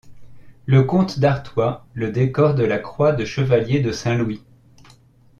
Le comte d’Artois le décore de la croix de chevalier de Saint-Louis.